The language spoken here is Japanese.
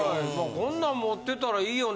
こんなん持ってたらいいよね。